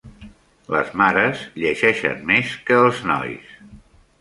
Les mares llegeixen més que els nois.